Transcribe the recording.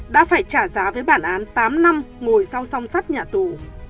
đã phải trả giá với bản án tám năm ngồi sau song sắt nhà tù